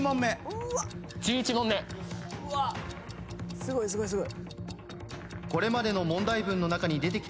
すごいすごいすごい。